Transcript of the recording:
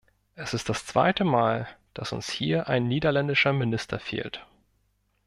Es ist das zweite Mal, dass uns hier ein niederländischer Minister fehlt.